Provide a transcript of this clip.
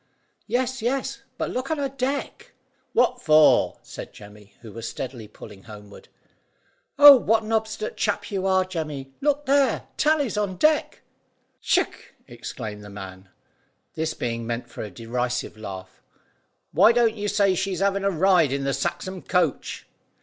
"Yes, yes; but look on her deck." "What for?" said Jemmy, who was steadily pulling homeward. "Oh, what an obstinate chap you are, Jemmy! Look there; Tally's on deck." "Ck!" ejaculated the man, this being meant for a derisive laugh. "Why don't you say she's having a ride in the Saxham coach."